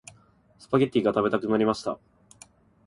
スパゲッティが食べたくなりました。